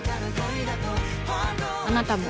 あなたも。